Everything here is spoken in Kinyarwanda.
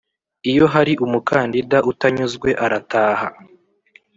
iyo hari umukandida utanyuzwe arataha